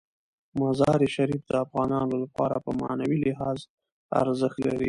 مزارشریف د افغانانو لپاره په معنوي لحاظ ارزښت لري.